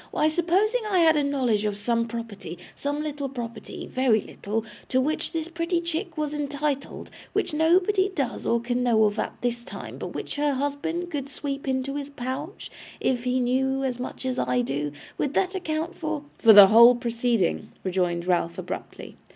Why, supposing I had a knowledge of some property some little property very little to which this pretty chick was entitled; which nobody does or can know of at this time, but which her husband could sweep into his pouch, if he knew as much as I do, would that account for ' 'For the whole proceeding,' rejoined Ralph, abruptly.